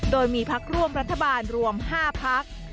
โดยมีพักร่วมรัฐบาลรวม๕พัก